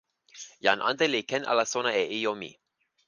jan ante li ken ala sona e ijo mi.